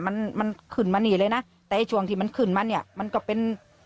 มันมันขึ้นมานี่เลยนะแต่ไอ้ช่วงที่มันขึ้นมาเนี่ยมันก็เป็น